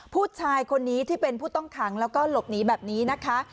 ผู้ชายคนนี้ที่เป็นผู้ต้องขังแล้วก็หลบหนีแบบนี้นะคะ